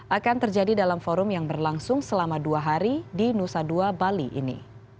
akan terjadi dalam forum yang berlangsung selama dua hari di nusa dua bali ini